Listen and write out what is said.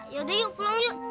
yaudah yuk pulang yuk